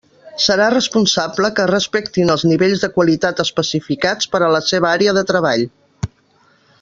Serà responsable que es respectin els nivells de qualitat especificats per a la seva àrea de treball.